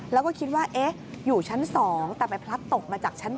แล้วก็คิดว่าเอ๊ะอยู่ชั้น๒แต่ไปพลัดตกมาจากชั้น๘